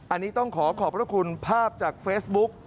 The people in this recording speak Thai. อันนี้ต้องขอขอบพระคุณภาพจากเฟซบุ๊ก